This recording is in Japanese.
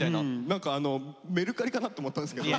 何かメルカリかなって思ったんですけど。